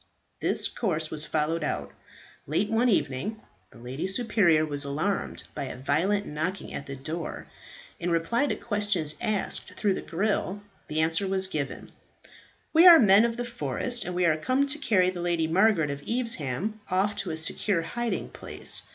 This course was followed out. Late one evening, the lady superior was alarmed by a violent knocking at the door. In reply to questions asked through the grill, the answer was given, "We are men of the forest, and we are come to carry the Lady Margaret of Evesham off to a secure hiding place.